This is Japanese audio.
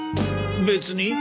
別に。